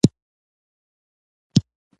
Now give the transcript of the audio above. پر تازه اوبو شیندل شوي پېاده رو باندې روان شوم.